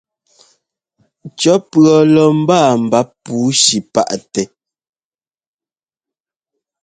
Cɔ́ pʉ̈ɔ lɔ mbáa mbáp pǔushi páʼtɛ́.